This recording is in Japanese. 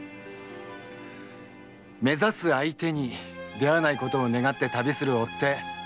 目指す相手に出会わないことを願って旅する追手。